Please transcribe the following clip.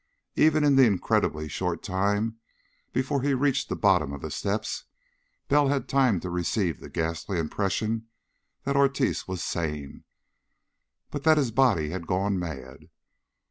Even in the incredibly short time before he reached the bottom of the steps, Bell had time to receive the ghastly impression that Ortiz was sane, but that his body had gone mad.